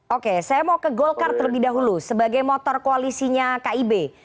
oke saya mau ke golkar terlebih dahulu sebagai motor koalisinya kib